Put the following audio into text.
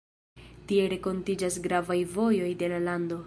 Tie renkontiĝas gravaj vojoj de la lando.